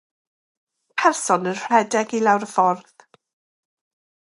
Person yn rhedeg i lawr y ffordd